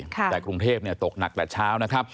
แต่กรุงเทพตกหนักแต่เช้านะครับ